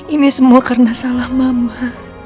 ini semua karena salah mama